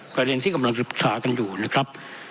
ประเด็นที่กำลังศึกษากันอยู่นะครับ